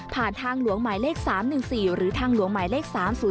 ทางหลวงหมายเลข๓๑๔หรือทางหลวงหมายเลข๓๐